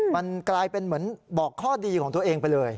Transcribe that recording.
มันกลายเป็นเหมือนบอกข้อดีของตัวเองไปเลย